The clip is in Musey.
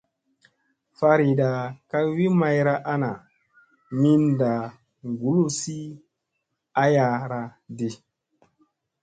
Fariɗa ka wi mayra ana minda kuluzi ayara ɗi.